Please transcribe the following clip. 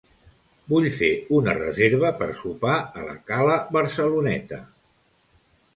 Vull fer una reserva per sopar a la Cala Barceloneta.